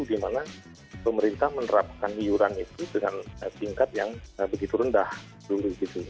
dimana pemerintah menerapkan iuran itu dengan tingkat yang begitu rendah dulu gitu